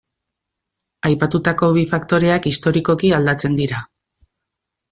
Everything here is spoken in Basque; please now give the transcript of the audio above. Aipatutako bi faktoreak historikoki aldatzen dira.